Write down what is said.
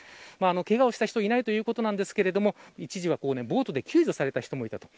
けがをした人はいないということですが一時はボートで救助された人もいたと。